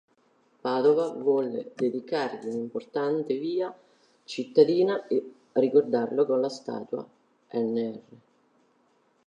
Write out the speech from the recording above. Padova volle dedicargli un'importante via cittadina e ricordarlo con la statua nr.